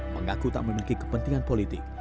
mengaku tak memiliki kepentingan politik